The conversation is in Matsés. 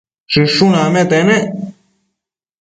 Shëshun acmete nec